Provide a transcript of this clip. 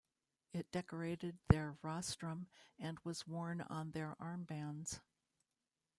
It decorated their rostrum and was worn on their armbands.